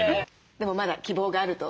でもまだ希望があると。